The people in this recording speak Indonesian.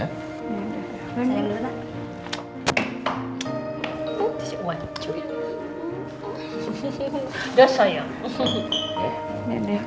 sampai jumpa pak